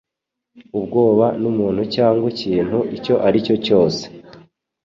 ubwoba numuntu cyangwa ikintu icyo aricyo cyose